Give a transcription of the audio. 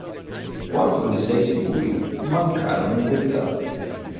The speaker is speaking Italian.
Quattro dei sei siluri mancarono il bersaglio.